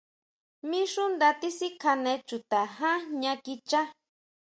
Mí xú nda tisikjane chuta ján jña kichá.